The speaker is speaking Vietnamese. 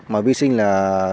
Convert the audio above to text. mà vi sinh là